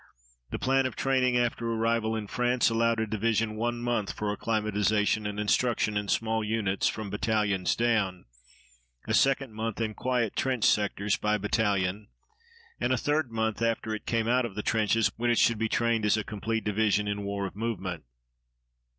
The plan of training after arrival in France allowed a division one month for acclimatization and instruction in small units from battalions down, a second month in quiet trench sectors by battalion, and a third month after it came out of the trenches when it should be trained as a complete division in war of movement.